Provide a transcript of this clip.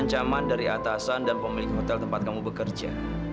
sampai jumpa di video selanjutnya